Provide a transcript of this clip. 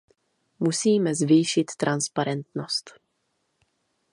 Musíme zvýšit transparentnost.